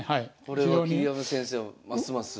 これは桐山先生もますます。